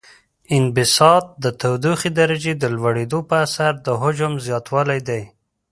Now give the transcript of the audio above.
انبساط د تودوخې درجې د لوړیدو په اثر د حجم زیاتوالی دی.